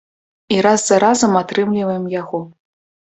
І раз за разам атрымліваем яго.